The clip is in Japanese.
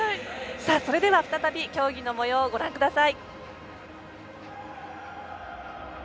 それでは再び競技のもようをご覧ください。